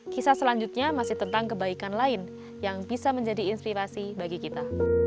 kisah selanjutnya masih tentang kebaikan lain yang bisa menjadi inspirasi bagi kita